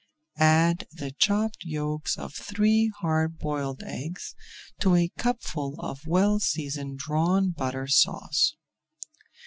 Add the chopped yolks of three hard boiled eggs to a cupful of well seasoned Drawn Butter Sauce.